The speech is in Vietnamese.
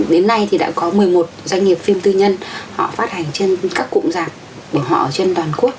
đến nay thì đã có một mươi một doanh nghiệp phim tư nhân họ phát hành trên các cụm giạp để họ ở trên toàn quốc